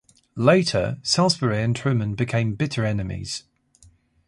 Later, Salisbury and Truman became bitter enemies.